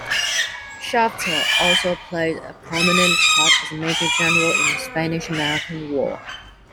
Shafter also played a prominent part as a major general in the Spanish-American War.